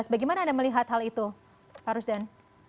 bagaimana anda melihat hal itu pak arus dan